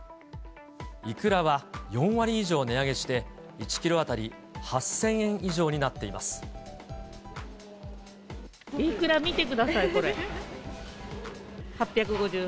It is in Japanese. イクラは４割以上値上げして、１キロ当たり８０００円以上になイクラ見てください、これ。